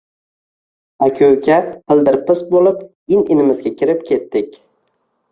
Aka-uka pildirpis bo‘lib, in-inimizga kirib ketdik.